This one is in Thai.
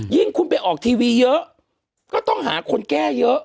คุณไปออกทีวีเยอะก็ต้องหาคนแก้เยอะ